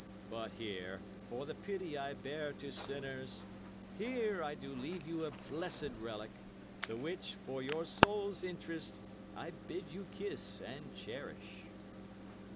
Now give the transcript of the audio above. But here, for the pity I bear to sinners, here I do leave you a blessed relic, the which, for your soul's interest, I bid you kiss and cherish."